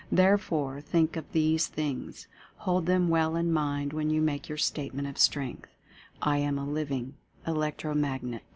Therefore think of these things; hold them well in mind when you make your Statement of Strength: "I AM A LIVING ELECTRO MAGNET."